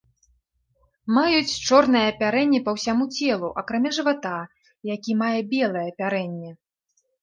Маюць чорнае апярэнне па ўсяму целу, акрамя жывата які мае белае апярэнне.